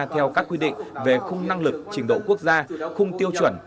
theo các quy định về khung năng lực trình độ quốc gia khung tiêu chuẩn